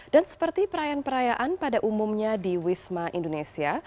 dan seperti perayaan perayaan pada umumnya di wisma indonesia